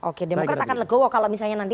oke demokra tak akan legowo kalau misalnya nanti